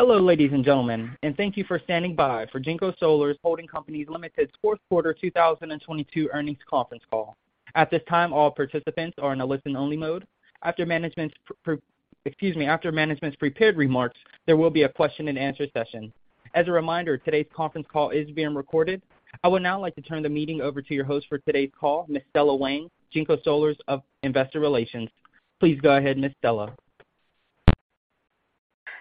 Hello, ladies and gentlemen, thank you for standing by for JinkoSolar's Holding Company's Limited Fourth Quarter 2022 earnings conference call. At this time, all participants are in a listen-only mode. After management's — Excuse me. After management's prepared remarks, there will be a question-and-answer session. As a reminder, today's conference call is being recorded. I would now like to turn the meeting over to your host for today's call, Miss Stella Wang, JinkoSolar's of Investor Relations. Please go ahead, Miss Stella.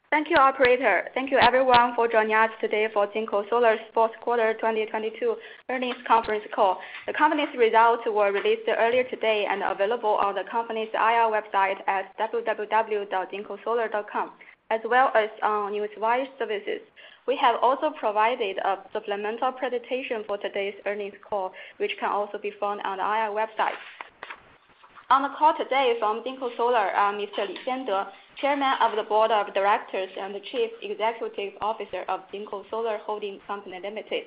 Thank you, operator. Thank you everyone for joining us today for JinkoSolar's Fourth Quarter 2022 earnings conference call. The company's results were released earlier today and available on the company's IR website at www.jinkosolar.com, as well as on Newswire services. We have also provided a supplemental presentation for today's earnings call, which can also be found on the IR website. On the call today from JinkoSolar are Mr. Xiande Li, Chairman of the Board of Directors and the Chief Executive Officer of JinkoSolar Holding Company Limited,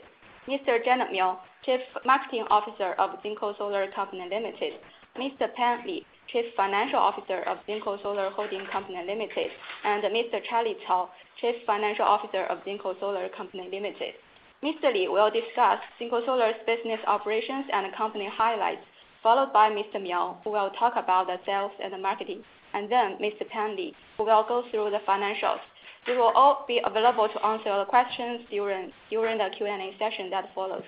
Mr. Gener Miao, Chief Marketing Officer of JinkoSolar Company Limited, Mr. Pan Li, Chief Financial Officer of JinkoSolar Holding Company Limited, and Mr. Charlie Cao, Chief Financial Officer of JinkoSolar Company Limited. Mr. Li will discuss JinkoSolar's business operations and company highlights, followed by Mr. Miao, who will talk about the sales and the marketing, and then Mr. Pan Li, who will go through the financials. They will all be available to answer the questions during the Q&A session that follows.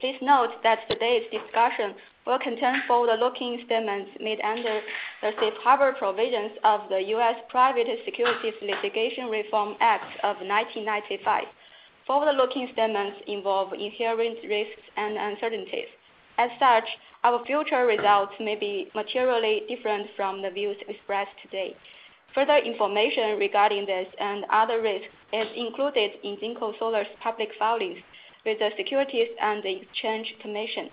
Please note that today's discussion will contain forward-looking statements made under the safe harbor provisions of the U.S. Private Securities Litigation Reform Act of 1995. Forward-looking statements involve inherent risks and uncertainties. As such, our future results may be materially different from the views expressed today. Further information regarding this and other risks is included in JinkoSolar's public filings with the Securities and Exchange Commission.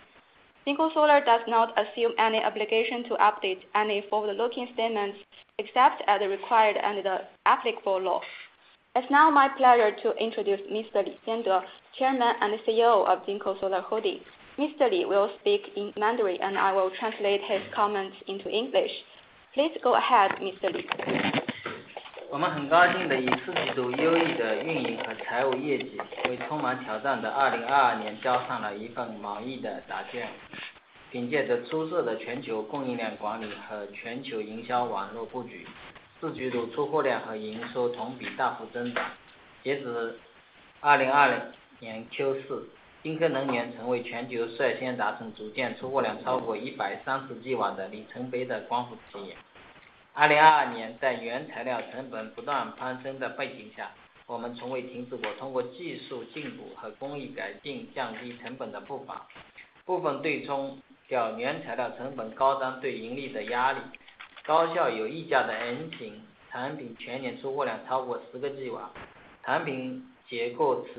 JinkoSolar does not assume any obligation to update any forward-looking statements except as required under the applicable law. It's now my pleasure to introduce Mr.Xiande Li, Chairman and CEO of JinkoSolar Holding. Mr. Li will speak in Mandarin, and I will translate his comments into English. Please go ahead, Mr. Li. We closed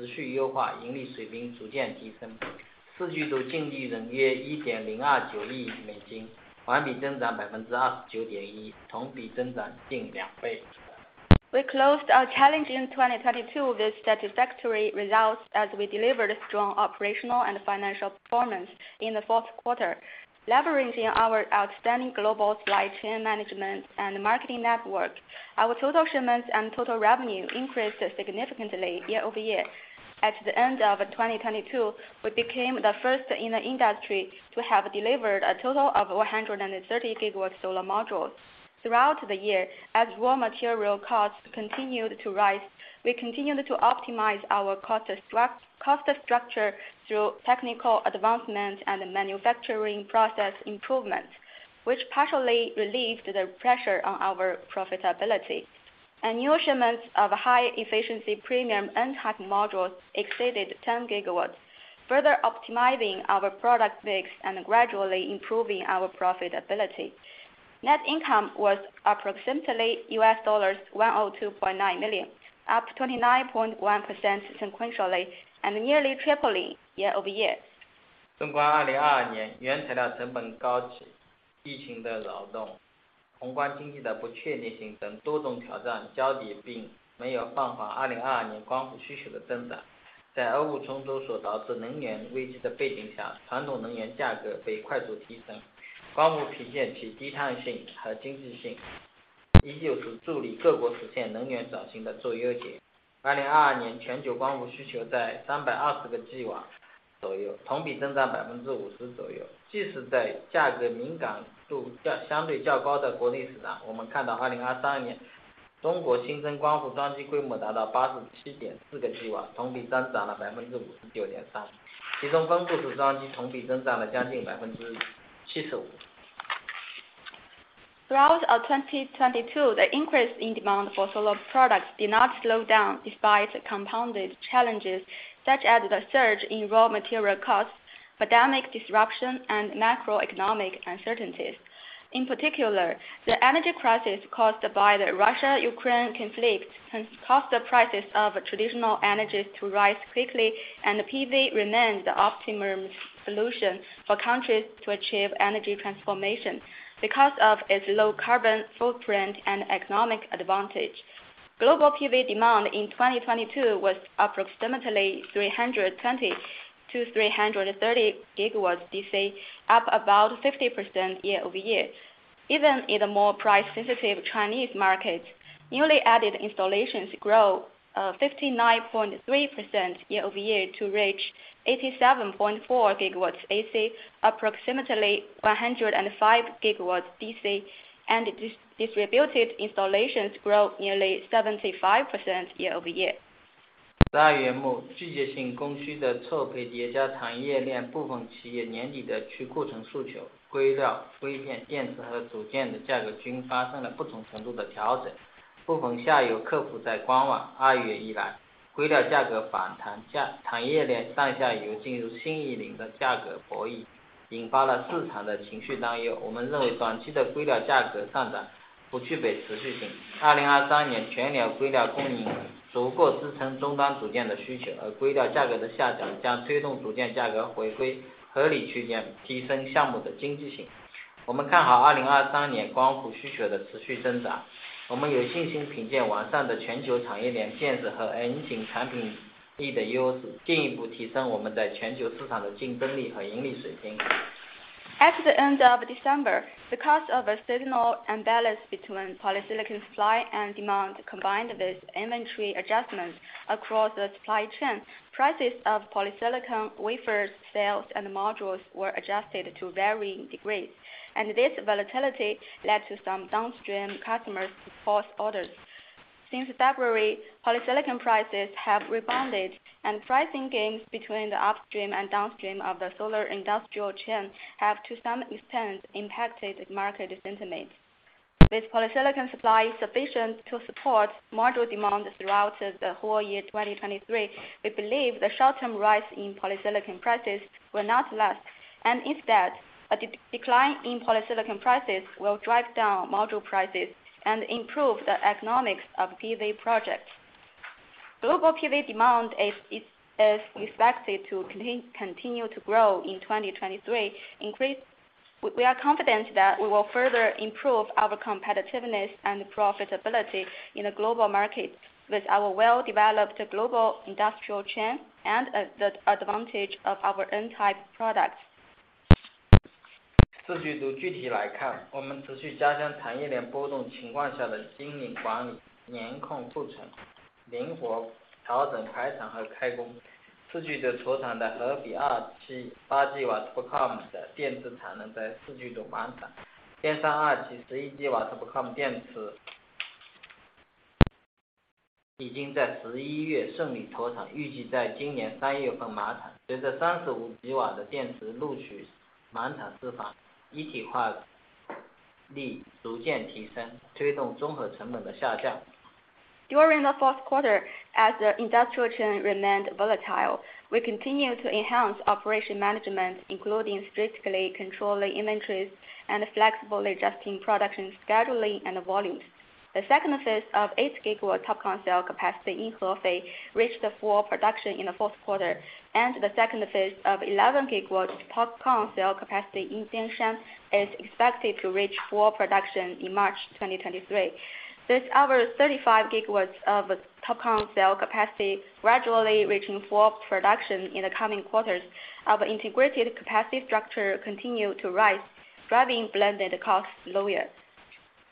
our challenging 2022 with satisfactory results as we delivered strong operational and financial performance in the fourth quarter. Leveraging our outstanding global supply chain management and marketing network, our total shipments and total revenue increased significantly year-over-year. At the end of 2022, we became the first in the industry to have delivered a total of 130 gigawatts solar modules. Throughout the year, as raw material costs continued to rise, we continued to optimize our cost structure through technical advancement and manufacturing process improvements, which partially relieved the pressure on our profitability. New shipments of high-efficiency premium N-type modules exceeded ten gigawatts, further optimizing our product mix and gradually improving our profitability. Net income was approximately $102.9 million, up 29.1% sequentially and nearly tripling year-over-year. Throughout all 2022, the increase in demand for solar products did not slow down despite compounded challenges such as the surge in raw material costs, pandemic disruption and macroeconomic uncertainties. In particular, the energy crisis caused by the Russia-Ukraine conflict has caused the prices of traditional energies to rise quickly, and PV remains the optimum solution for countries to achieve energy transformation because of its low carbon footprint and economic advantage. Global PV demand in 2022 was approximately 320-330 gigawatts DC, up about 50% year-over-year. Even in the more price-sensitive Chinese markets, newly added installations grow 59.3% year-over-year to reach 87.4 gigawatts AC, approximately 105 gigawatts DC, and distributed installations grow nearly 75% year-over-year. 大元 末， 季节性供需的错配叠加产业链部分企业年底的去库存诉求。硅料、硅片、电池和组件的价格均发生了不同程度的调整。部分下游客户在观望。2月 以 来， 硅料价格反 弹， 产业链上下游进入新一轮的价格博 弈， 引发了市场的情绪担忧。我们认为短期的硅料价格上涨不具备持续性。2023年全员硅料供应足够支撑终端组件的需 求， 而硅料价格的下降将推动组件价格回归合理区 间， 提升项目的经济性。我们看好2023年光伏需求的持续增长。我们有信心品鉴完善的全球产业链、电池和 N 型产品力的优 势， 进一步提升我们在全球市场的竞争力和盈利水平。At the end of December, because of a seasonal imbalance between polysilicon supply and demand, combined with inventory adjustments across the supply chain, prices of polysilicon wafers, sales and modules were adjusted to varying degrees. This volatility led to some downstream customers to pause orders. Since February, polysilicon prices have rebounded. Pricing gains between the upstream and downstream of the solar industrial chain have to some extent impacted market sentiment. With polysilicon supply sufficient to support module demand throughout the whole year 2023, we believe the short term rise in polysilicon prices will not last. Instead a decline in polysilicon prices will drive down module prices and improve the economics of PV projects. Global PV demand is expected to continue to grow in 2023. We are confident that we will further improve our competitiveness and profitability in the global market with our well-developed global industrial chain and the advantage of our N-type products. 四季度具体来 看， 我们持续加强产业链波动情况下的经营管 理， 严控库 存， 灵活调整开工和开工。四季度投产的河北二期八吉瓦 TOPCon 的电池产 能， 在四季度满产。天山二期十一吉瓦 TOPCon 电池已经在十一月顺利投 产， 预计在今年三月份满产。随着三十五吉瓦的电池陆续满产释放，一体化率逐渐提 升， 推动综合成本的下降。During the fourth quarter, as the industrial chain remained volatile, we continue to enhance operation management, including strictly controlling inventories and flexibly adjusting production, scheduling and volumes. The phase II of 8 gigawatt TOPCon cell capacity in Hefei reached full production in the fourth quarter, and the second phase of 11 gigawatt TOPCon cell capacity in Jianshan is expected to reach full production in March 2023. With our 35 gigawatts of TOPCon cell capacity gradually reaching full production in the coming quarters, our integrated capacity structure continue to rise, driving blended costs lower.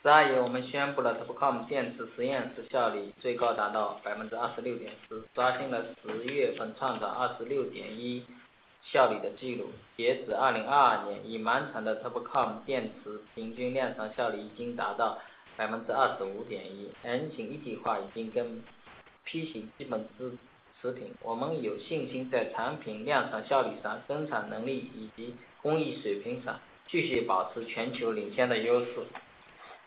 四 月, 我们宣布了 TOPCon 电池实验室效率最高达到 26.4%, 刷新了十月份创下 26.1 效率的纪 录. 截止2022 年, 已满产的 TOPCon 电池平均量产效率已经达到 25.1%. N-type 一体化已经跟 P-type 基本持 平. 我们有信心在产品量产效率 上, 生产能力以及工艺水平上继续保持全球领先的优 势.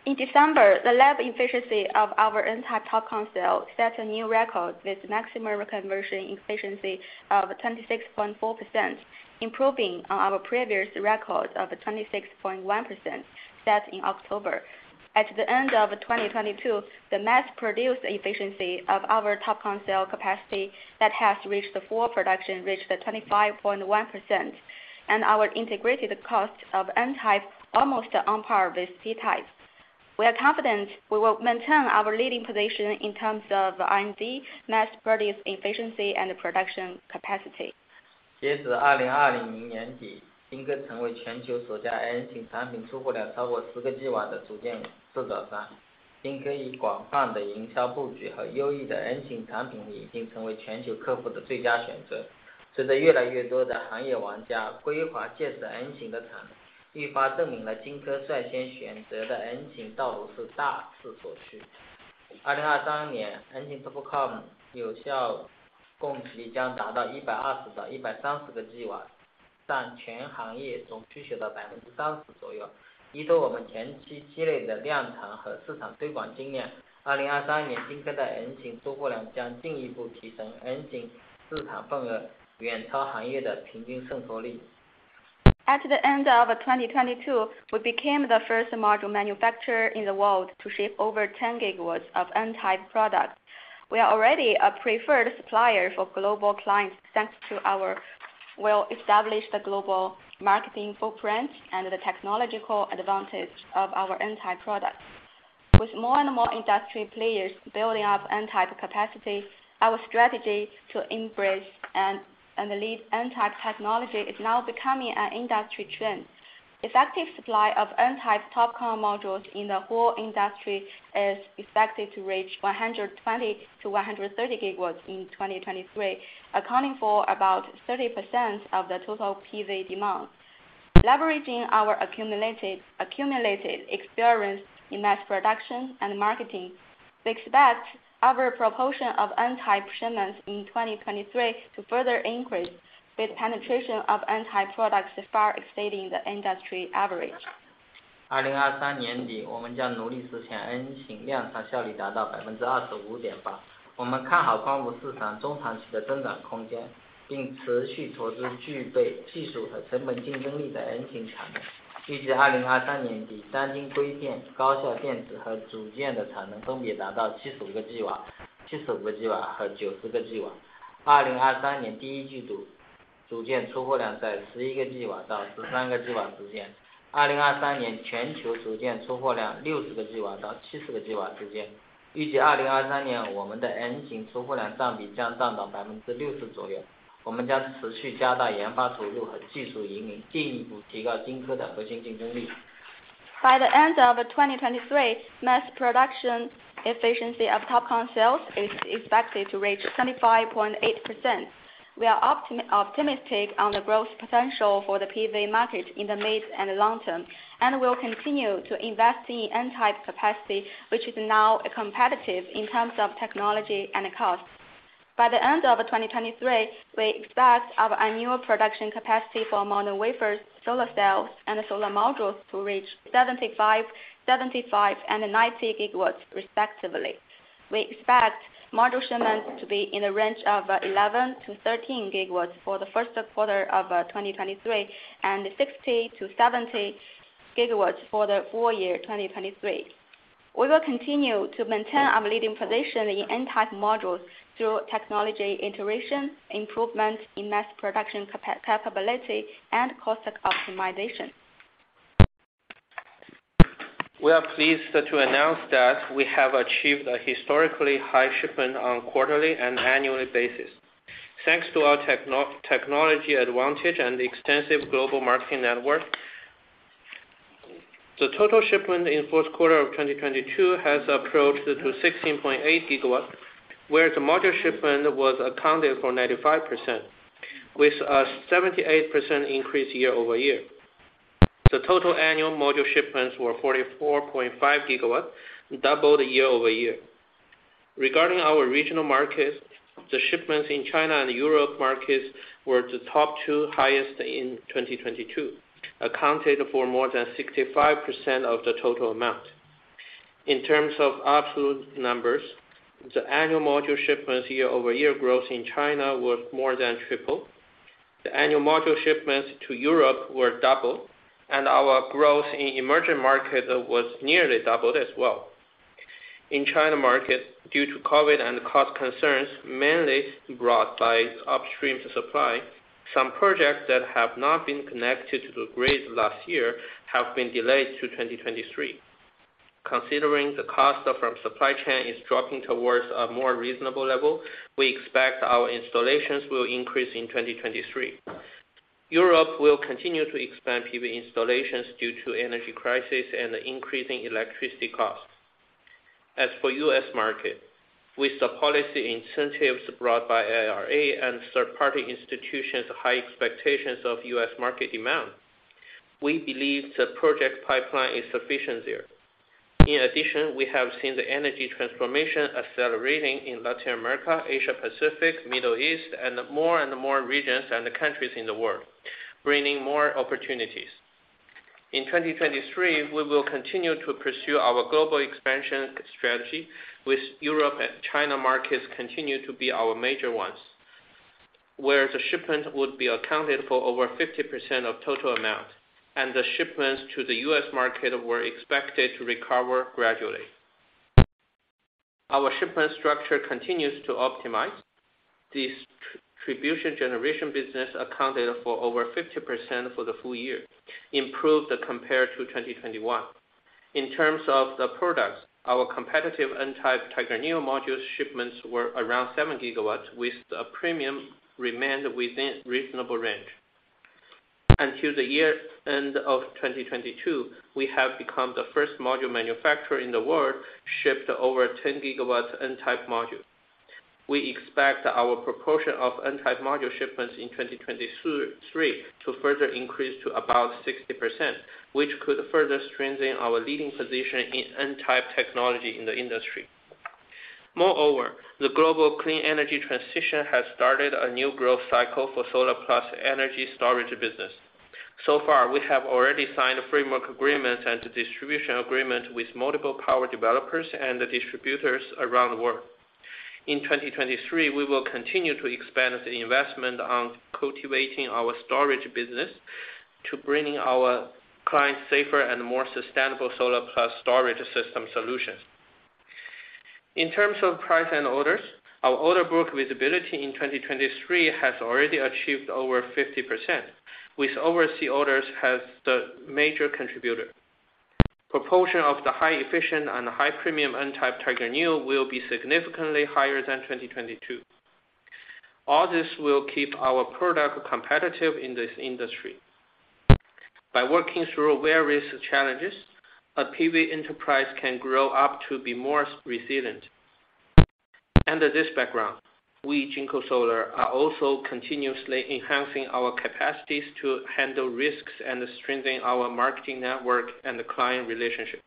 In December, the lab efficiency of our entire TOPCon cell set a new record with maximum conversion efficiency of 26.4%, improving on our previous record of 26.1% set in October. At the end of 2022, the mass-produced efficiency of our TOPCon cell capacity that has reached the full production reached 25.1% and our integrated cost of N-type almost on par with P-type. We are confident we will maintain our leading position in terms of R&D, mass-produced efficiency and production capacity. 截止二零二零年 底， 晶科成为全球首家 N 型产品出货量超过十个吉瓦的组件制造商。晶科以广泛的营销布局和优异的 N 型产品力已经成为全球客户的最佳选择。随着越来越多的行业玩家规划建设 N 型的 厂， 愈发证明了晶科率先选择的 N 型道路是大势所趋。二零二三年 ，N 型 TOPCon 有效供给将达到一百二十到一百三十个吉 瓦， 占全行业总需求的百分之三十左右。依托我们前期积累的量产和市场推广经 验， 二零二三年晶科的 N 型出货量将进一步提升。N 型市场份额远超行业的平均渗透率。At the end of 2022, we became the first module manufacturer in the world to ship over 10 GW of N-type products. We are already a preferred supplier for global clients, thanks to our well-established global marketing footprint and the technological advantage of our N-type products. With more and more industry players building up N-type capacity, our strategy to embrace and lead N-type technology is now becoming an industry trend. Effective supply of N-type TOPCon modules in the whole industry is expected to reach 120-130 GW in 2023, accounting for about 30% of the total PV demand. Leveraging our accumulated experience in mass production and marketing, we expect our proportion of N-type shipments in 2023 to further increase with penetration of N-type products far exceeding the industry average. By the end of 2023, mass production efficiency of TOPCon cells is expected to reach 75.8%. We are optimistic on the growth potential for the PV market in the mid and long term, and we'll continue to invest in N-type capacity, which is now competitive in terms of technology and cost. By the end of 2023, we expect our annual production capacity for mono wafers, solar cells, and solar modules to reach 75, and 90 gigawatts respectively. We expect module shipments to be in the range of 11-13 gigawatts for the first quarter of 2023, and 60-70 gigawatts for the full year 2023. We will continue to maintain our leading position in N-type modules through technology integration, improvement in mass production capability, and cost optimization. We are pleased to announce that we have achieved a historically high shipment on quarterly and annually basis. Thanks to our technology advantage and extensive global marketing network, the total shipment in fourth quarter of 2022 has approached to 16.8 gigawatt, where the module shipment was accounted for 95% with a 78% increase year-over-year. The total annual module shipments were 44.5 gigawatt, double the year-over-year. Regarding our regional markets, the shipments in China and Europe markets were the top two highest in 2022, accounted for more than 65% of the total amount. In terms of absolute numbers, the annual module shipments year-over-year growth in China was more than triple. The annual module shipments to Europe were double, and our growth in emerging markets was nearly doubled as well. In China market, due to COVID and cost concerns, mainly brought by upstream supply, some projects that have not been connected to the grid last year have been delayed to 2023. Considering the cost of our supply chain is dropping towards a more reasonable level, we expect our installations will increase in 2023. Europe will continue to expand PV installations due to energy crisis and increasing electricity costs. As for U.S. market, with the policy incentives brought by IRA and third-party institutions' high expectations of U.S. market demand, we believe the project pipeline is sufficient there. In addition, we have seen the energy transformation accelerating in Latin America, Asia-Pacific, Middle East, and more and more regions and countries in the world, bringing more opportunities. In 2023, we will continue to pursue our global expansion strategy with Europe and China markets continue to be our major ones, where the shipment would be accounted for over 50% of total amount, and the shipments to the U.S. market were expected to recover gradually. Our shipment structure continues to optimize. Distribution generation business accounted for over 50% for the full year, improved compared to 2021. In terms of the products, our competitive N-type Tiger Neo module shipments were around 7 GW, with a premium remained within reasonable range. Until the year end of 2022, we have become the first module manufacturer in the world shipped over 10 GW N-type module. We expect our proportion of N-type module shipments in 2023 to further increase to about 60%, which could further strengthen our leading position in N-type technology in the industry. Moreover, the global clean energy transition has started a new growth cycle for solar plus energy storage business. So far, we have already signed framework agreements and distribution agreement with multiple power developers and distributors around the world. In 2023, we will continue to expand the investment on cultivating our storage business to bringing our clients safer and more sustainable solar plus storage system solutions. In terms of price and orders, our order book visibility in 2023 has already achieved over 50%, with overseas orders has the major contributor. Proportion of the high efficient and high premium N-type Tiger Neo will be significantly higher than 2022. All this will keep our product competitive in this industry. By working through various challenges, a PV enterprise can grow up to be more resilient. Under this background, we, JinkoSolar, are also continuously enhancing our capacities to handle risks and strengthening our marketing network and the client relationship.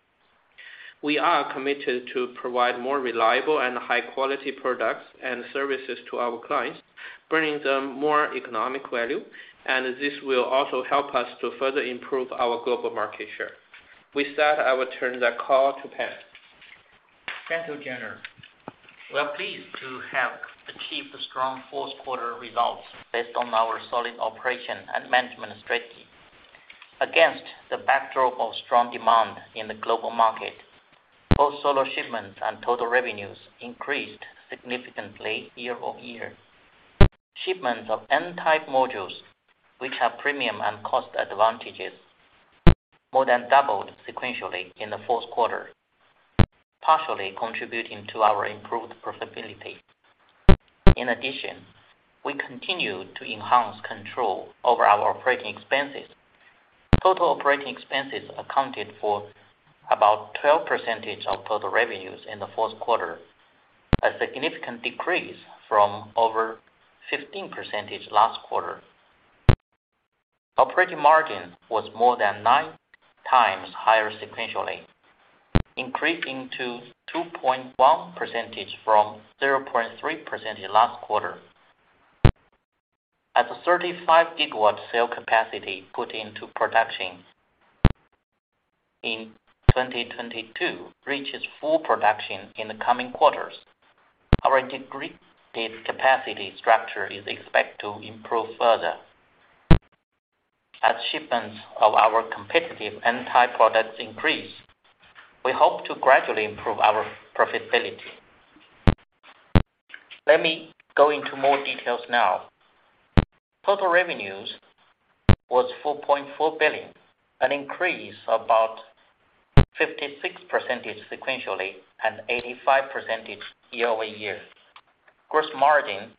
We are committed to provide more reliable and high-quality products and services to our clients, bringing them more economic value. This will also help us to further improve our global market share. With that, I will turn the call to Pan. Thank you, Gener. We are pleased to have achieved strong fourth quarter results based on our solid operation and management strategy. Against the backdrop of strong demand in the global market, both solar shipments and total revenues increased significantly year-over-year. Shipments of N-type modules, which have premium and cost advantages, more than doubled sequentially in the fourth quarter, partially contributing to our improved profitability. In addition, we continue to enhance control over our operating expenses. Total operating expenses accounted for about 12% of total revenues in the fourth quarter, a significant decrease from over 15% last quarter. Operating margin was more than 9x higher sequentially, increasing to 2.1% from 0.3% last quarter. As a 35 gigawatt cell capacity put into production in 2022 reaches full production in the coming quarters, our integrated capacity structure is expected to improve further. As shipments of our competitive N-type products increase, we hope to gradually improve our profitability. Let me go into more details now. Total revenues was $4.4 billion, an increase of about 56% sequentially and 85% year-over-year. Gross margin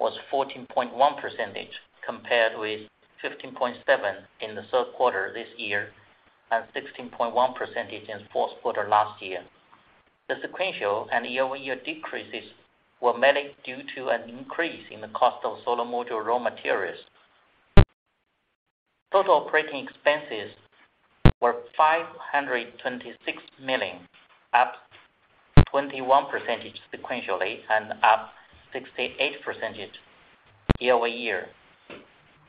was 14.1% compared with 15.7% in the third quarter this year and 16.1% in fourth quarter last year. The sequential and year-over-year decreases were mainly due to an increase in the cost of solar module raw materials. Total operating expenses were $526 million, up 21% sequentially and up 68% year-over-year.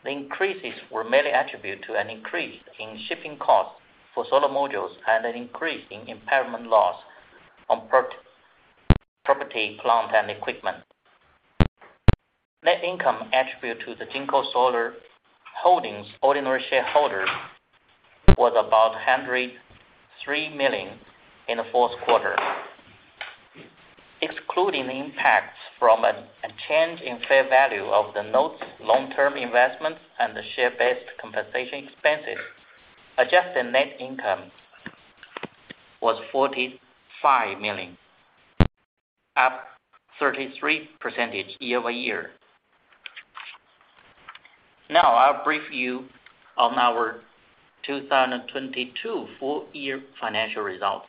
The increases were mainly attributed to an increase in shipping costs for solar modules and an increase in impairment loss on property, plant, and equipment. Net income attribute to the JinkoSolar Holdings ordinary shareholder was about $103 million in the fourth quarter. Excluding the impacts from a change in fair value of the notes, long-term investments and the share-based compensation expenses, adjusted net income was $45 million, up 33% year-over-year. I'll brief you on our 2022 full year financial results.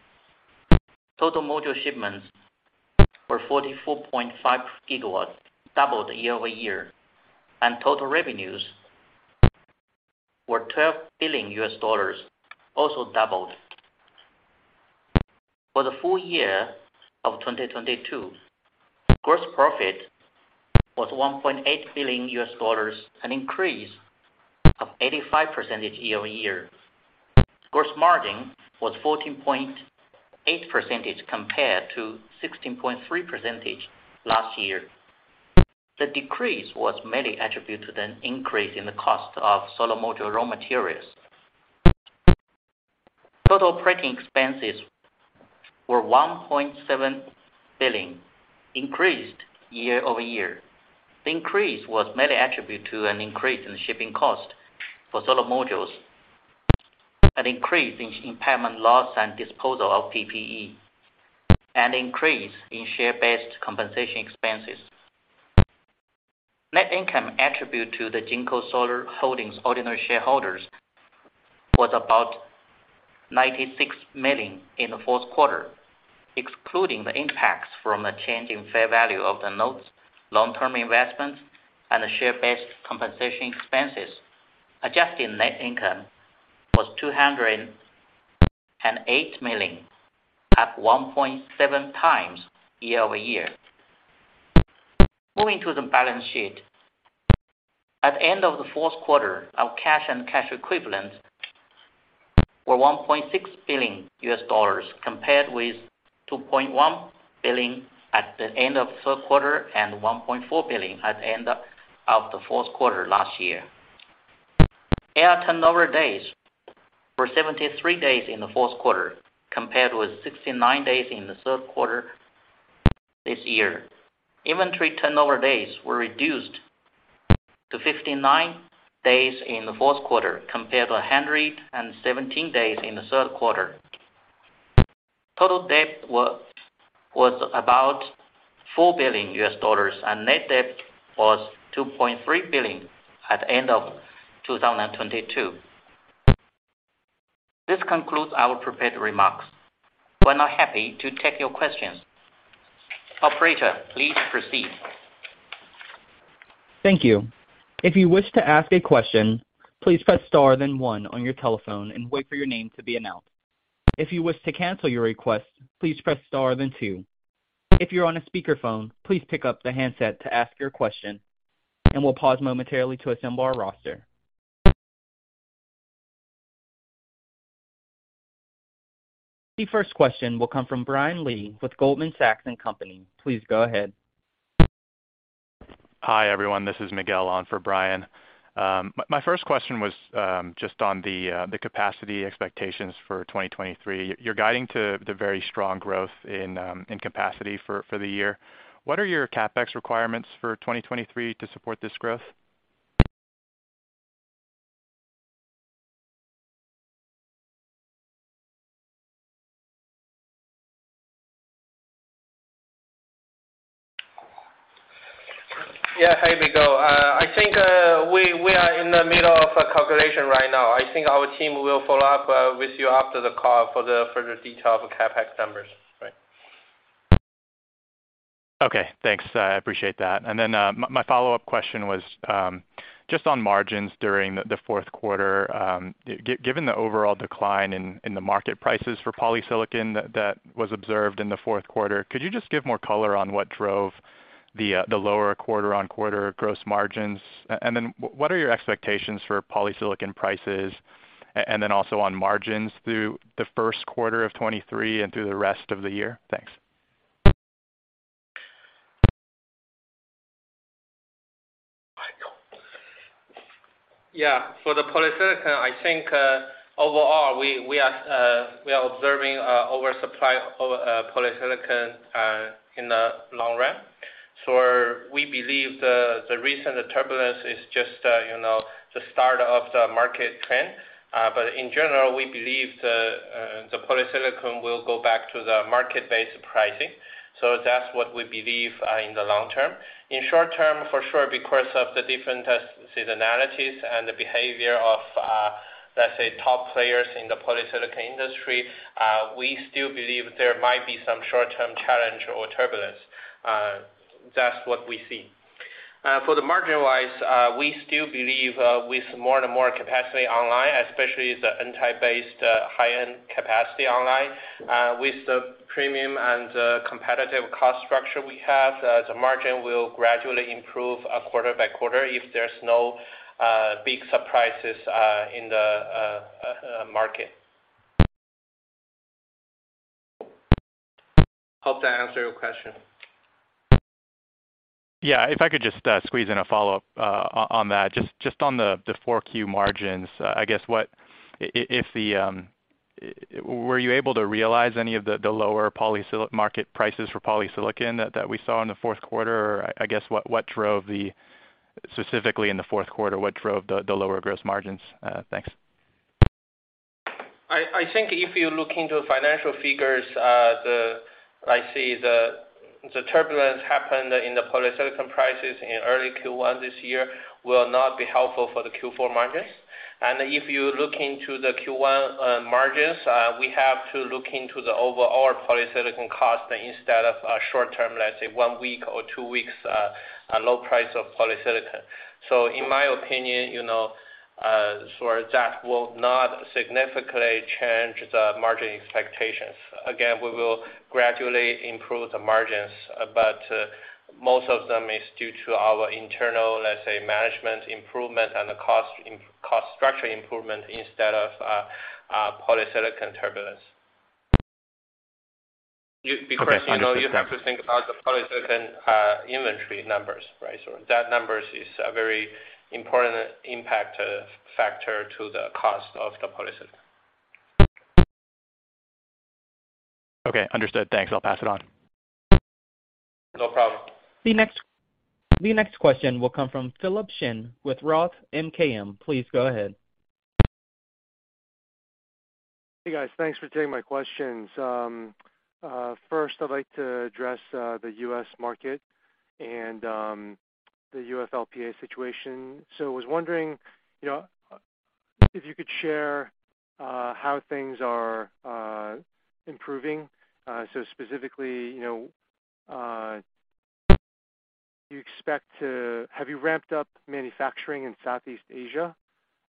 Total module shipments were 44.5 gigawatts, doubled year-over-year, and total revenues were $12 billion, also doubled. For the full year of 2022, gross profit was $1.8 billion, an increase of 85% year-over-year. Gross margin was 14.8% compared to 16.3% last year. The decrease was mainly attributed to an increase in the cost of solar module raw materials. Total operating expenses were $1.7 billion, increased year-over-year. The increase was mainly attributed to an increase in shipping cost for solar modules, an increase in impairment loss and disposal of PPE, an increase in share-based compensation expenses. Net income attribute to the JinkoSolar Holdings ordinary shareholders was about $96 million in the fourth quarter. Excluding the impacts from a change in fair value of the notes, long-term investments and share-based compensation expenses, adjusted net income was $208 million, up 1.7x year-over-year. Moving to the balance sheet. At the end of the fourth quarter, our cash and cash equivalents were $1.6 billion, compared with $2.1 billion at the end of third quarter and $1.4 billion at the end of the fourth quarter last year. Air turnover days were 73 days in the fourth quarter, compared with 69 days in the third quarter this year. Inventory turnover days were reduced to 59 days in the fourth quarter compared to 117 days in the third quarter. Total debt was about $4 billion, and net debt was $2.3 billion at the end of 2022. This concludes our prepared remarks. We're now happy to take your questions. Operator, please proceed. Thank you. If you wish to ask a question, please press star then one on your telephone and wait for your name to be announced. If you wish to cancel your request, please press star then two. If you're on a speakerphone, please pick up the handset to ask your question, and we'll pause momentarily to assemble our roster. The first question will come from Brian Lee with Goldman Sachs and Company. Please go ahead. Hi, everyone. This is Miguel on for Brian. My first question was just on the capacity expectations for 2023. You're guiding to the very strong growth in capacity for the year. What are your CapEx requirements for 2023 to support this growth? Yeah. Hi, Miguel. I think we are in the middle of a calculation right now. I think our team will follow up with you after the call for the further detail of CapEx numbers. Right. Okay, thanks. I appreciate that. My follow-up question was just on margins during the fourth quarter. Given the overall decline in the market prices for polysilicon that was observed in the fourth quarter, could you just give more color on what drove the lower quarter-on-quarter gross margins? What are your expectations for polysilicon prices, and then also on margins through the first quarter of 2023 and through the rest of the year? Thanks. Yeah. For the polysilicon, I think, overall, we are, we are observing, oversupply of polysilicon, in the long run. We believe the recent turbulence is just, you know, the start of the market trend. In general, we believe the polysilicon will go back to the market-based pricing. That's what we believe, in the long term. In short term, for sure, because of the different seasonalities and the behavior of, let's say, top players in the polysilicon industry, we still believe there might be some short-term challenge or turbulence. That's what we see. For the margin-wise, we still believe, with more and more capacity online, especially the N-type-based, high-end capacity online, with the premium and the competitive cost structure we have, the margin will gradually improve, quarter by quarter if there's no big surprises in the market. Hope that answered your question. If I could just squeeze in a follow-up on that. Just on the 4Q margins, I guess if you were able to realize any of the lower polysilicon market prices for polysilicon that we saw in the fourth quarter? I guess specifically in the fourth quarter, what drove the lower gross margins? Thanks. I think if you look into financial figures, I see the turbulence happened in the polysilicon prices in early Q1 this year will not be helpful for the Q4 margins. If you look into the Q1 margins, we have to look into the overall polysilicon cost instead of a short-term, let's say, one week or two weeks, low price of polysilicon. In my opinion, you know, that will not significantly change the margin expectations. Again, we will gradually improve the margins, but most of them is due to our internal, let's say, management improvement and the cost structure improvement instead of polysilicon turbulence. Okay. Understood. You know, you have to think about the polysilicon inventory numbers, right? That numbers is a very important impact factor to the cost of the polysilicon. Okay. Understood. Thanks. I'll pass it on. No problem. The next question will come from Philip Shen with Roth MKM. Please go ahead. Hey, guys. Thanks for taking my questions. First I'd like to address the U.S. market and the UFLPA situation. I was wondering, you know, if you could share how things are improving. Specifically, you know, have you ramped up manufacturing in Southeast Asia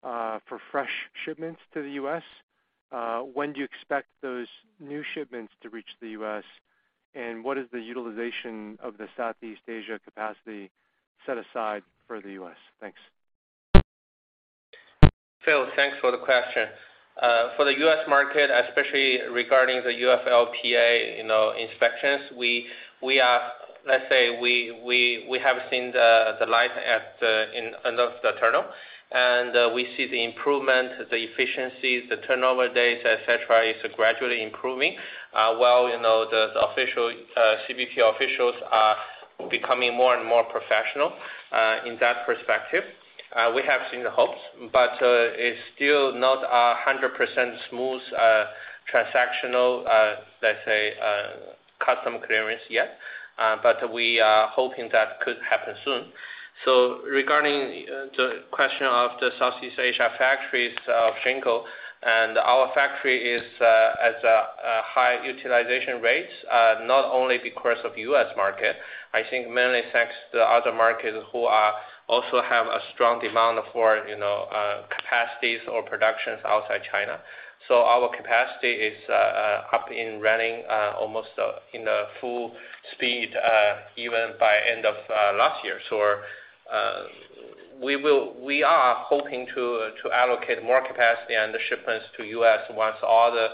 for fresh shipments to the U.S.? When do you expect those new shipments to reach the U.S.? What is the utilization of the Southeast Asia capacity set aside for the U.S.? Thanks. Phil, thanks for the question. For the U.S. market, especially regarding the UFLPA, you know, inspections, we have seen the light at the end under the tunnel, and we see the improvement, the efficiencies, the turnover days, et cetera, is gradually improving. While, you know, the official CBP officials are becoming more and more professional in that perspective. We have seen the hopes, but it's still not 100% smooth, transactional, let's say, custom clearance yet, we are hoping that could happen soon. Regarding the question of the Southeast Asia factories, Jinko and our factory is as a high utilization rates, not only because of U.S. market. I think mainly thanks to the other markets who are also have a strong demand for, you know, capacities or productions outside China. Our capacity is up and running almost in the full speed even by end of last year. We're we are hoping to allocate more capacity and the shipments to U.S once all the,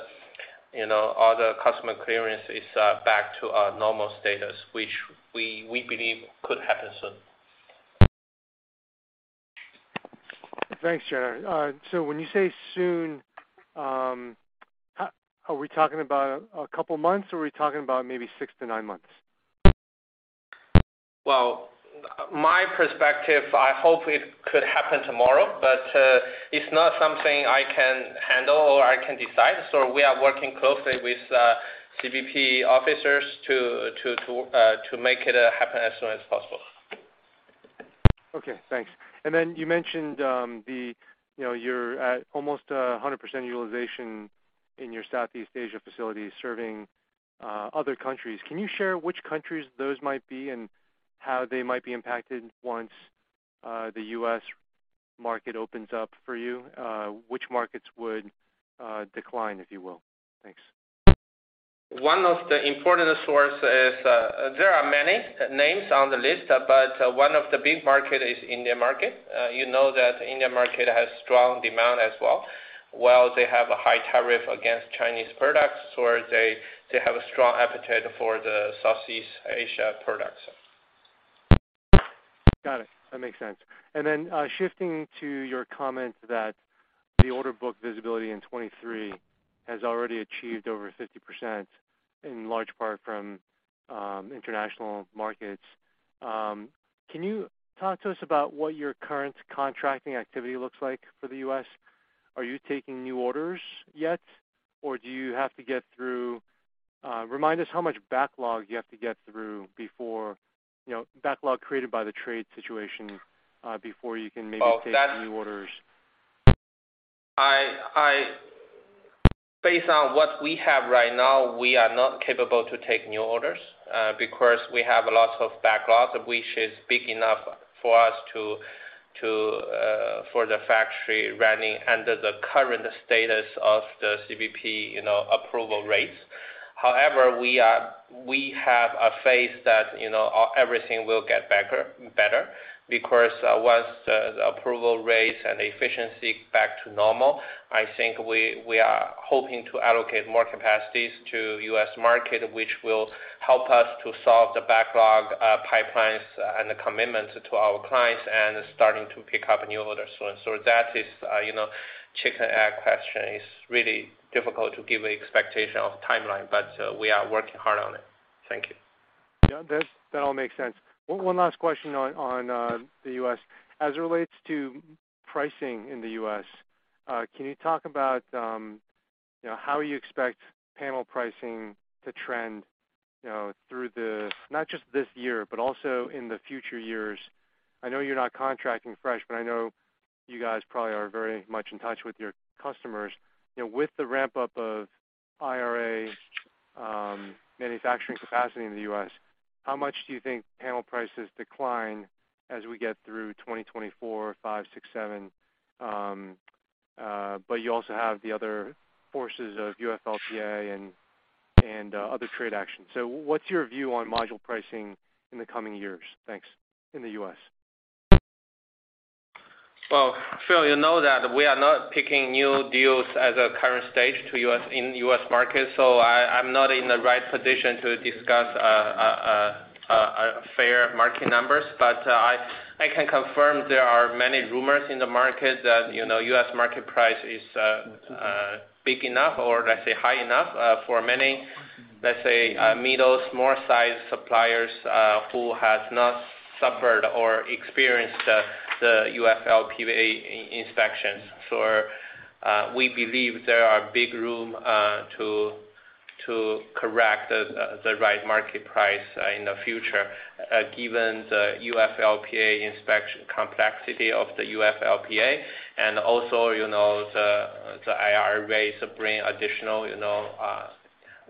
you know, all the customer clearance is back to a normal status, which we believe could happen soon. Thanks, Gener. When you say soon, are we talking about a couple of months, or are we talking about maybe 6-9 months? My perspective, I hope it could happen tomorrow, but, it's not something I can handle or I can decide. We are working closely with CBP officers to make it happen as soon as possible. Okay, thanks. You mentioned, you know, you're at almost 100% utilization in your Southeast Asia facility serving other countries. Can you share which countries those might be and how they might be impacted once the U.S. market opens up for you? Which markets would decline, if you will? Thanks. One of the important source is, there are many names on the list, but one of the big market is Indian market. You know that Indian market has strong demand as well. They have a high tariff against Chinese products, or they have a strong appetite for the Southeast Asia products. Got it. That makes sense. Shifting to your comment that the order book visibility in 2023 has already achieved over 50%, in large part from international markets. Can you talk to us about what your current contracting activity looks like for the U.S.? Are you taking new orders yet, or do you have to remind us how much backlog you have to get through before... You know, backlog created by the trade situation, before you can maybe take new orders. Based on what we have right now, we are not capable to take new orders because we have lots of backlogs, which is big enough for us to for the factory running under the current status of the CBP, you know, approval rates. However, we have a faith that, you know, everything will get better because once the approval rates and efficiency back to normal, I think we are hoping to allocate more capacities to U.S. market, which will help us to solve the backlog pipelines and the commitments to our clients and starting to pick up new orders. That is, you know, chicken egg question. It's really difficult to give expectation of timeline, but we are working hard on it. Thank you. That all makes sense. One last question on the U.S. As it relates to pricing in the U.S, can you talk about, you know, how you expect panel pricing to trend, you know, not just this year, but also in the future years? I know you're not contracting fresh, but I know you guys probably are very much in touch with your customers. You know, with the ramp up of IRA manufacturing capacity in the U.S, how much do you think panel prices decline as we get through 2024, 2025, 2026, 2027, but you also have the other forces of UFLPA and other trade actions. What's your view on module pricing in the coming years? Thanks. In the U.S. Phil, you know that we are not picking new deals at the current stage to U.S., in U.S. market, I'm not in the right position to discuss a fair market numbers. I can confirm there are many rumors in the market that, you know, U.S. market price is big enough or let's say high enough for many, let's say, middle small size suppliers who has not suffered or experienced the UFLPA inspection. We believe there are big room to correct the right market price in the future, given the UFLPA inspection complexity of the UFLPA and also, you know, the IRA to bring additional, you know,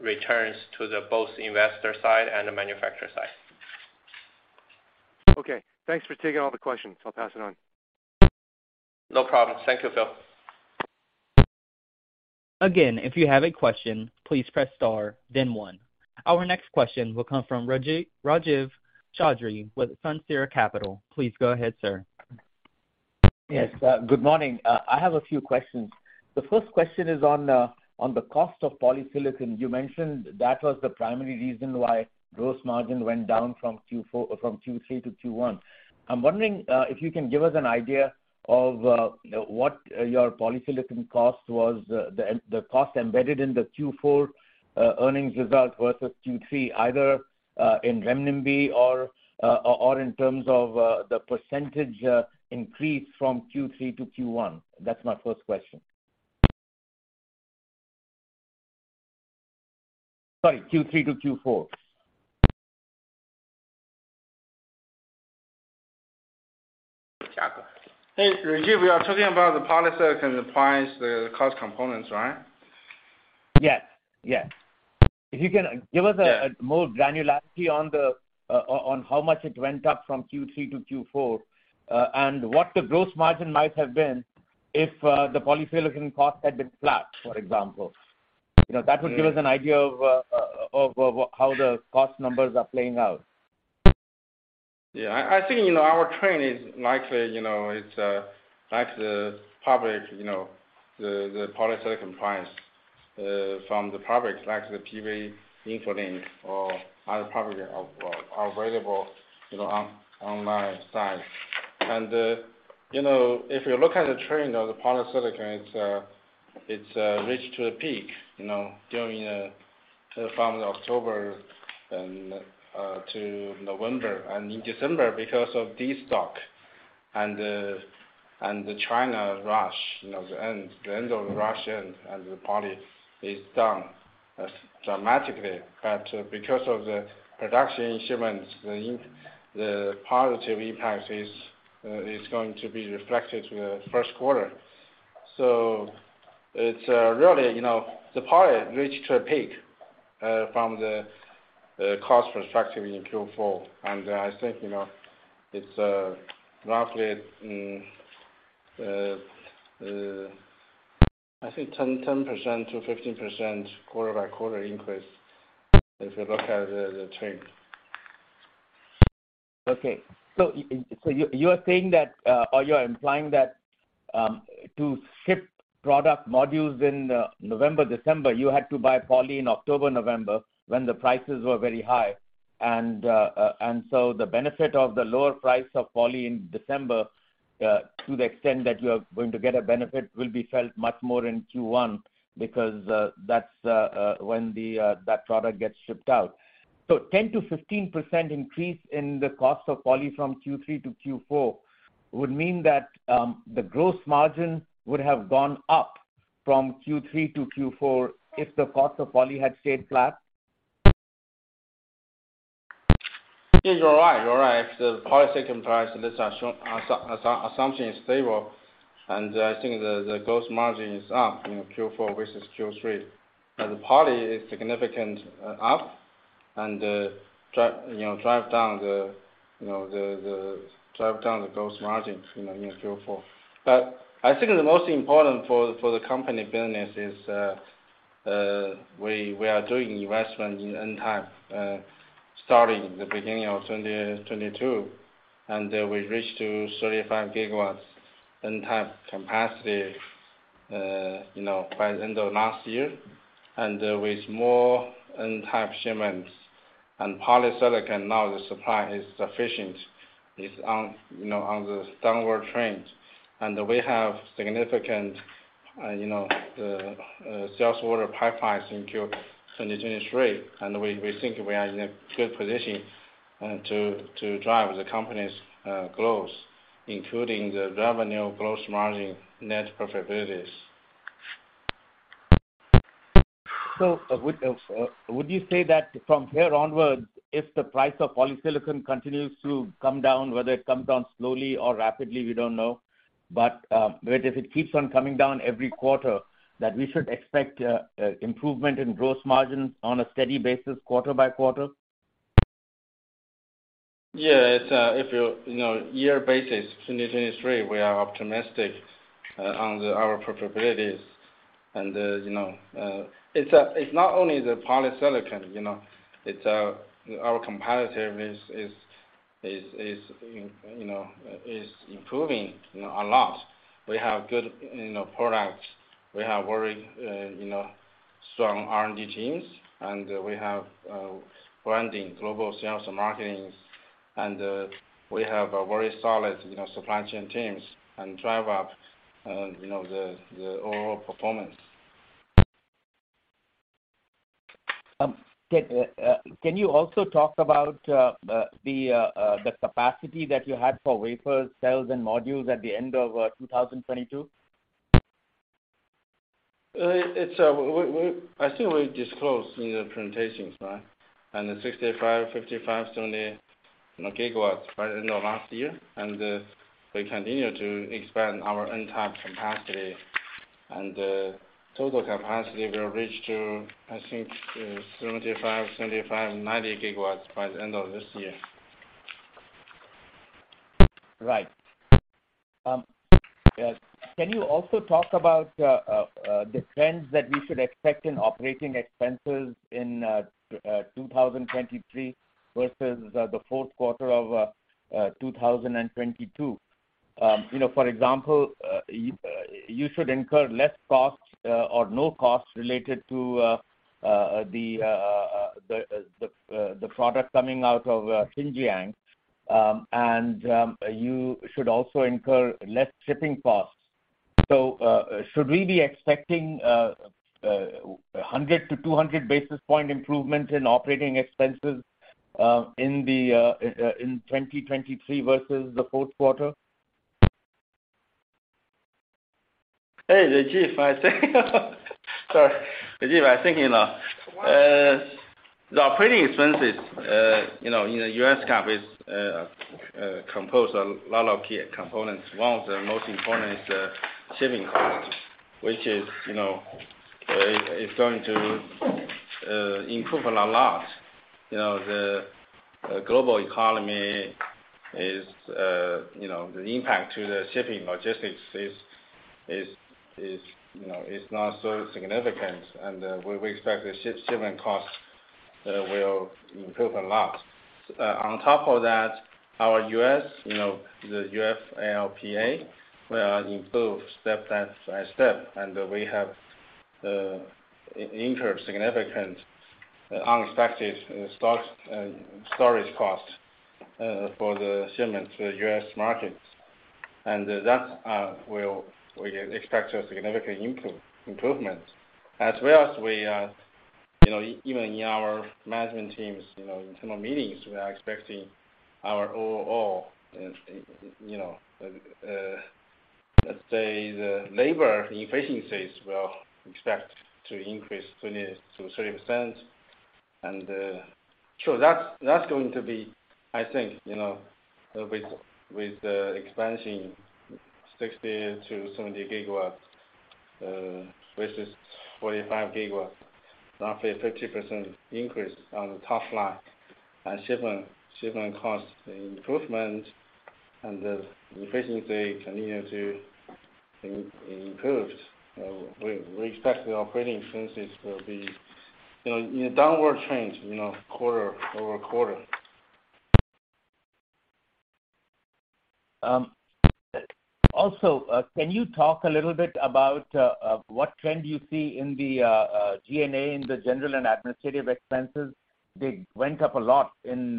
returns to the both investor side and the manufacturer side. Okay. Thanks for taking all the questions. I'll pass it on. No problem. Thank you, Phil. If you have a question, please press Star then one. Our next question will come from Rajiv Chaudhri with Sunsara Capital. Please go ahead, sir. Yes. good morning. I have a few questions. The first question is on the cost of polysilicon. You mentioned that was the primary reason why gross margin went down from Q3 to Q1. I'm wondering if you can give us an idea of what your polysilicon cost was, the cost embedded in the Q4 earnings result versus Q3, either in RMB or in terms of the % increase from Q3 to Q1. That's my first question. Sorry, Q3 to Q4. Hey, Rajiv, we are talking about the polysilicon price, the cost components, right? Yes. Yes. If you can give us. Yeah More granularity on how much it went up from Q3 to Q4, and what the gross margin might have been if the polysilicon cost had been flat, for example. You know. Yeah Give us an idea of how the cost numbers are playing out. Yeah. I think, you know, our trend is likely, you know, it's like the public, you know, the polysilicon price from the public, like the PV InfoLink or other public are available, you know, online site. You know, if you look at the trend of the polysilicon, it's reached to a peak, you know, during from October and to November. In December because of destock and the China rush, you know, the end of rush and the poly is down dramatically. But because of the production shipments, the positive impact is going to be reflected in the first quarter. It's really, you know, the poly reached to a peak from the cost perspective in Q4. I think, you know, it's roughly, I think 10%-15% quarter-over-quarter increase if you look at the trend. Okay. You, you're saying that, or you're implying that, to ship product modules in November, December, you had to buy poly in October, November when the prices were very high. The benefit of the lower price of poly in December, to the extent that you are going to get a benefit, will be felt much more in Q1 because that's when the that product gets shipped out. 10%-15% increase in the cost of poly from Q3 to Q4 would mean that the gross margin would have gone up from Q3 to Q4 if the cost of poly had stayed flat? Yes, you're right. If the polysilicon price, this assumption is stable, I think the gross margin is up in Q4 versus Q3. The poly is significant up and, you know, drive down the gross margin, you know, in Q4. I think the most important for the company business is we are doing investment in N-type, starting the beginning of 2022. We reached to 35 gigawatts N-type capacity, you know, by end of last year. With more N-type shipments and polysilicon, now the supply is sufficient. It's on, you know, on the downward trend. We have significant, you know, sales order pipelines in Q 2023, and we think we are in a good position to drive the company's growth, including the revenue gross margin net profitabilities. Would you say that from here onwards, if the price of polysilicon continues to come down, whether it comes down slowly or rapidly, we don't know. If it keeps on coming down every quarter, that we should expect improvement in gross margin on a steady basis quarter by quarter? Yeah. It's, if you know, year basis, 2023, we are optimistic, on our profitabilities. You know, it's not only the polysilicon, you know. It's, our competitive is, you know, improving, you know, a lot. We have good, you know, products. We have very, you know, strong R&D teams, and we have, branding, global sales and marketings, and we have a very solid, you know, supply chain teams and drive up, you know, the overall performance. Can you also talk about the capacity that you had for wafers, cells and modules at the end of 2022? It's, I think we disclosed in the presentations, right? The 65, 55, 70 gigawatts by the end of last year. We continue to expand our N-type capacity. Total capacity will reach to I think, 75, 90 gigawatts by the end of this year. Right. Yes. Can you also talk about the trends that we should expect in operating expenses in 2023 versus the fourth quarter of 2022? You know, for example, you should incur less costs or no costs related to the product coming out of Xinjiang. You should also incur less shipping costs. Should we be expecting a 100 to 200 basis point improvement in operating expenses in 2023 versus the fourth quarter? Hey, Rajeev. You know, the operating expenses, you know, in the U.S. companies, compose a lot of key components. One of the most important is shipping costs, which is, you know, is going to improve a lot. You know, the global economy is, you know, the impact to the shipping logistics is, you know, is not so significant. We expect shipping costs will improve a lot. On top of that, our U.S., you know, the UFLPA will improve step by step. We have incurred significant unexpected stock, storage costs, for the shipments to the U.S. markets. That we expect a significant improvement. As well as we, you know, even in our management teams, you know, internal meetings, we are expecting our overall, you know, let's say the labor efficiencies will expect to increase 20%-30%. Sure, that's going to be, I think, you know, with the expansion 60-70 gigawatts versus 45 gigawatts, roughly a 50% increase on the top line. Shipment cost improvement and the efficiency continue to improved. We expect the OpEx will be, you know, in a downward trend, you know, quarter-over-quarter. Can you talk a little bit about what trend you see in the G&A, in the general and administrative expenses? They went up a lot in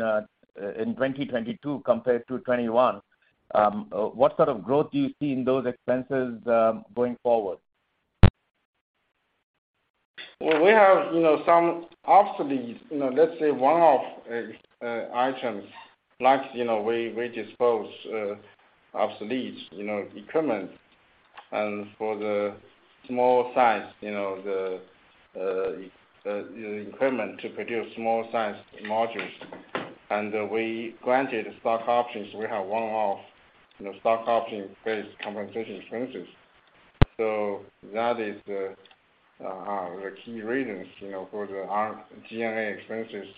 2022 compared to 2021. What sort of growth do you see in those expenses going forward? Well, we have, you know, some obsolete, you know, let's say one-off items. Like, you know, we dispose obsolete, you know, equipment. For the small size, you know, the equipment to produce small size modules. We granted stock options. We have one-off, you know, stock option-based compensation expenses. That is the key reasons, you know, for the G&A expenses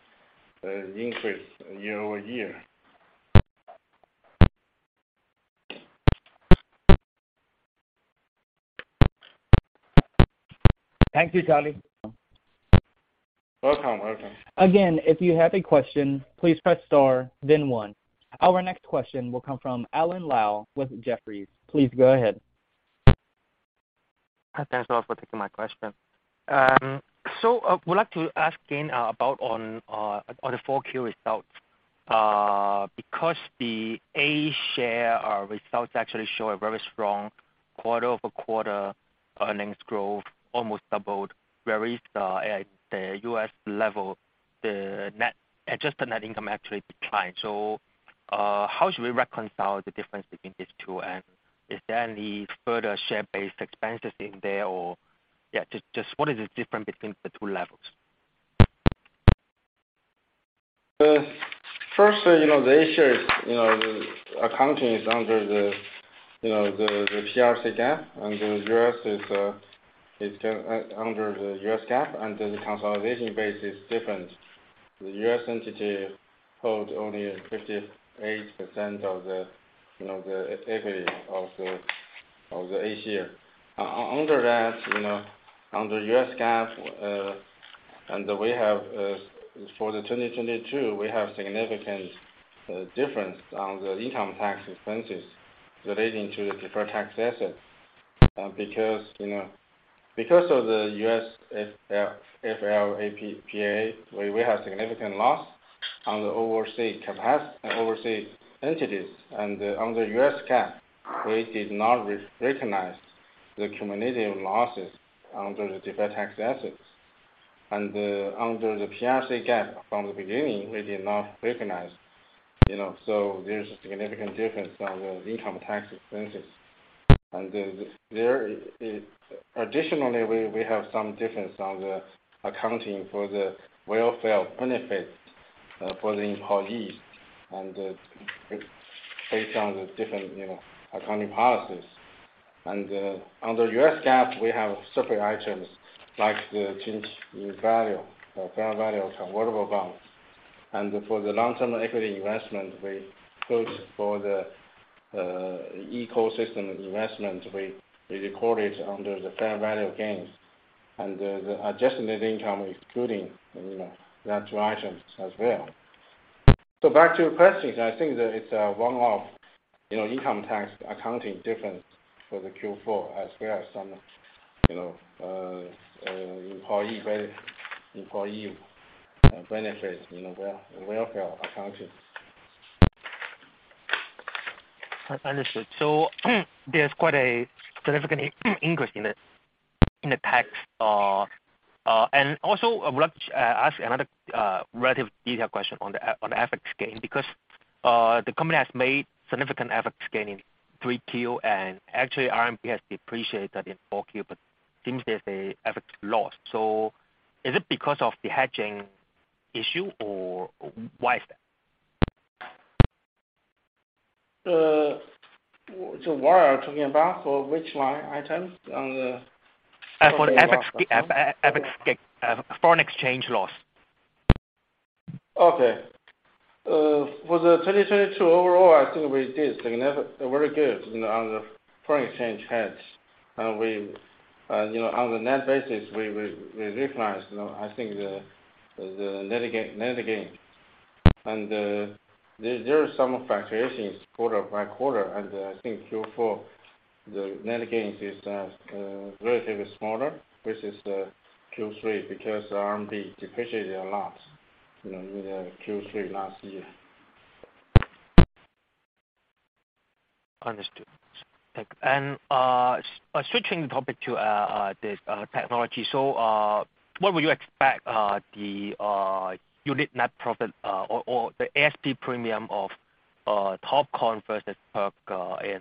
increase year-over-year. Thank you, Charlie. Welcome. Welcome. Again, if you have a question, please press star then one. Our next question will come from Alan Lau with Jefferies. Please go ahead. Thanks a lot for taking my question. would like to ask again about on the 4Q results. Because the A-share results actually show a very strong quarter-over-quarter earnings growth, almost doubled. Whereas the, at the U.S. level, the adjusted net income actually declined. How should we reconcile the difference between these two? Is there any further share-based expenses in there or? just what is the difference between the two levels? The first thing, you know, the A-share, you know, the accounting is under the, you know, the PRC GAAP, and the U.S is under the US GAAP, and the consolidation base is different. The U.S entity holds only 58% of the, you know, the equity of the A-share. Under that, you know, under US GAAP, we have, for 2022, we have significant difference on the income tax expenses relating to the deferred tax assets. Because, you know, because of the UFLPA, we have significant loss on the overseas entities. Under US GAAP, we did not recognize the cumulative losses under the deferred tax assets. Under the PRC GAAP from the beginning, we did not recognize, you know, so there's a significant difference on the income tax expenses. Additionally, we have some difference on the accounting for the welfare benefits for the employees and, based on the different, you know, accounting policies. Under US GAAP, we have separate items like the change in value, fair value of convertible bonds. For the long-term equity investment, we put for the ecosystem investment. We record it under the fair value gains and the adjusted net income, excluding, you know, that two items as well. Back to your questions. I think that it's a one-off, you know, income tax accounting difference for the Q4 as well as some, you know, employee benefits, you know, welfare accounting. Understood. There's quite a significant increase in the tax. Also I would like to ask another relative detailed question on the FX gain, because the company has made significant FX gain in 3 Q, and actually RMB has depreciated in 4 Q, but seems there's a FX loss. Is it because of the hedging issue, or why is that? What are you talking about? For which line item? For the FX gain. Foreign exchange loss. Okay. For the 2022 overall, I think we did very good, you know, on the foreign exchange hedge. We, you know, on the net basis, we recognize, you know, I think the net gain. There are some fluctuations quarter by quarter. I think Q4, the net gains is relatively smaller versus the Q3 because RMB depreciated a lot, you know, in the Q3 last year. Understood. Thank you. Switching the topic to this technology. What would you expect the unit net profit or the ASP premium of TOPCon versus PERC in coming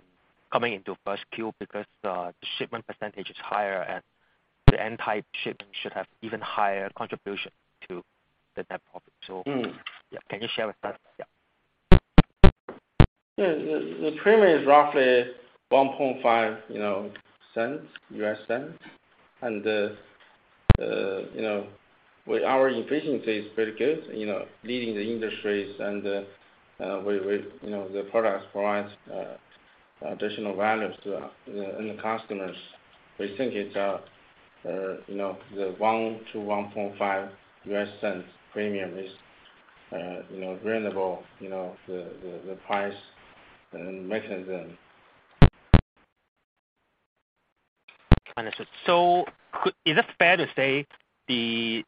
into first Q because the shipment % is higher and the N-type shipment should have even higher contribution to the net profit? Mm. Yeah. Can you share with us? Yeah. Yeah. The premium is roughly 1.5, you know, cent, U.S cent. you know, our efficiency is pretty good, you know, leading the industries, we, you know, the products provide additional values to the end customers. We think it's, you know, the 1 to 1.5 U.S cents premium is, you know, reasonable, you know, the price mechanism. Understood. Is it fair to say the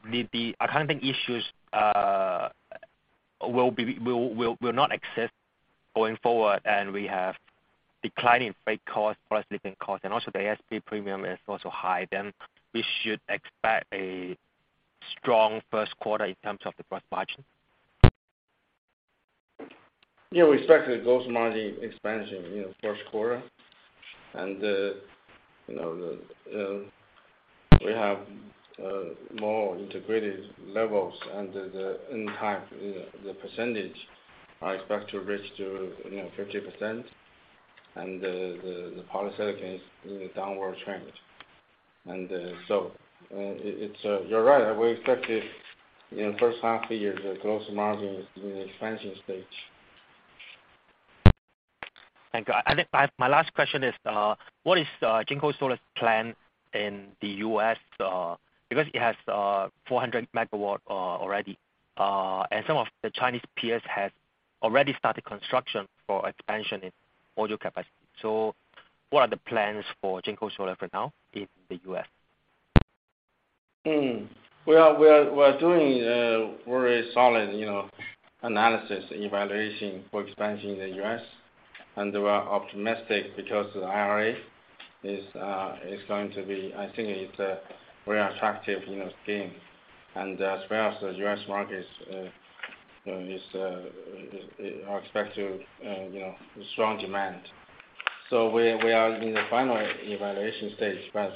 accounting issues will not exist going forward and we have declining freight costs, plus shipping costs and also the ASP premium is also high, then we should expect a strong first quarter in terms of the gross margin? Yeah. We expect the gross margin expansion, you know, first quarter. You know, the, we have, more integrated levels and the N-type, the percentage I expect to reach to, you know, 50% and the polysilicon is in a downward trend. So, it's, you're right. We expect it in the first half year. The gross margin is in expansion stage. Thank you. I think my last question is, what is JinkoSolar's plan in the U.S. because it has 400 MW already. Some of the Chinese peers has already started construction for expansion in module capacity. What are the plans for JinkoSolar for now in the U.S.? We are doing a very solid, you know, analysis evaluation for expansion in the US. We're optimistic because the IRA is going to be. I think it's a very attractive, you know, scheme. As well as the U.S. market is expected, you know, strong demand. We are in the final evaluation stage, but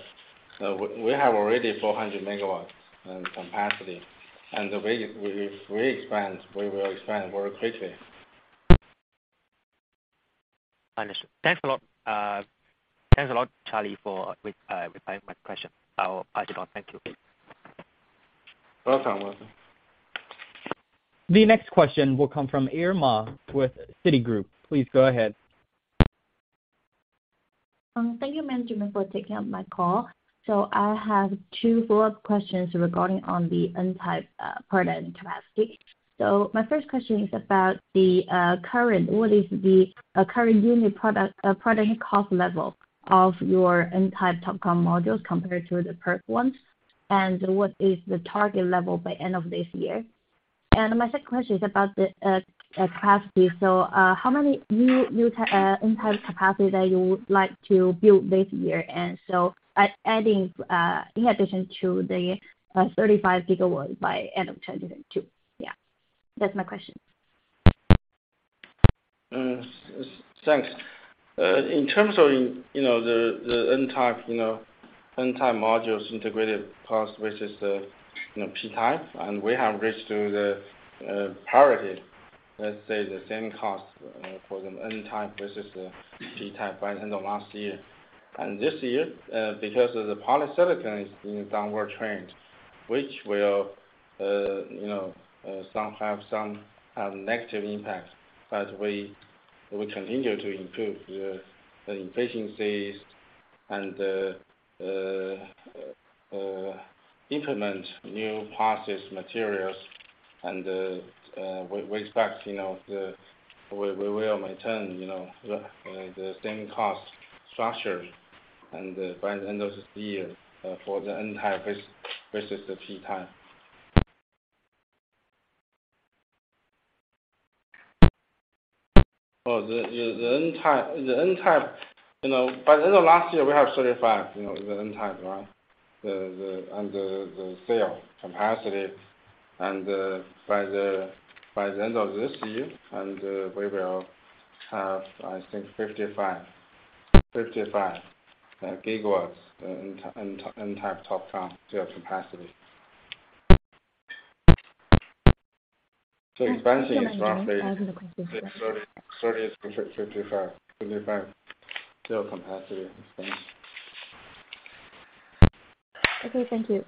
we have already 400 megawatts in capacity. The way we expand, we will expand very quickly. Understood. Thanks a lot. Thanks a lot, Charlie, for replying my question. I'll pass it on. Thank you. Welcome, Wilson. The next question will come from Irma with Citigroup. Please go ahead. Thank you, management, for taking up my call. I have two follow-up questions regarding on the N-type product capacity. My first question is about the current. What is the current unit product cost level of your N-type TOPCon modules compared to the PERC ones? What is the target level by end of this year? My second question is about the capacity. How many new N-type capacity that you would like to build this year? By adding, in addition to the 35 gigawatts by end of 2022. That's my question. Thanks. In terms of, you know, the N-type, you know, N-type modules integrated cost versus the, you know, P-type, and we have reached to the parity. Let's say the same cost for the N-type versus the P-type by the end of last year. This year, because of the polysilicon is in downward trend, which will, you know, some have some negative impact, but we continue to improve the efficiencies and implement new process materials. We expect, you know, We will maintain, you know, the same cost structure and by the end of this year for the N-type versus the P-type. The N-type, you know, by the end of last year, we have 35, you know, the N-type, right? The cell capacity. By the end of this year, and we will have, I think 55 gigawatts in N-type TOPCon cell capacity. Expansion is roughly-. Can I have the second question? 30-55 cell capacity expansion. Okay. Thank you.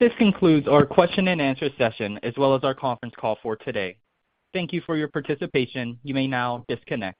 This concludes our question and answer session as well as our conference call for today. Thank you for your participation. You may now disconnect.